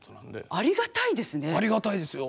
ありがたいですよ。